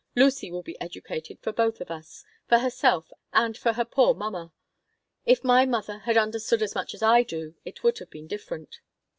Lucy will be educated for both of us, for herself and for her poor mamma. If my mother had understood as much as I do it would have been different."